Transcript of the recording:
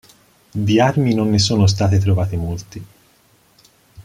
Di armi non ne sono state trovate molte.